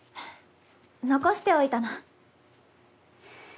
残しておいたの。